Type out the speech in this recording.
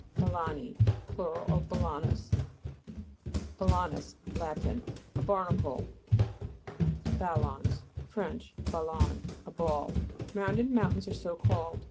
BALA'NI Plur. of balanus. BALA'NUS Lat. A barnacle, (p. 85.) BALLOTS Fr. ballon, a ball. Round ed mountains are so called.